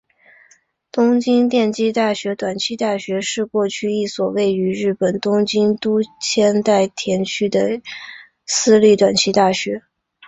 东京电机大学短期大学是过去一所位于日本东京都千代田区的私立短期大学。